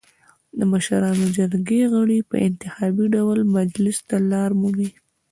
د مشرانو جرګې غړي په انتخابي ډول مجلس ته لار مومي.